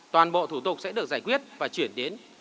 toàn bộ thủ tục sẽ được giải quyết và chuyển đến